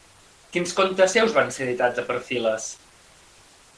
Quins contes seus van ser editats a Perfiles?